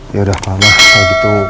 ya udah pak mah kalau gitu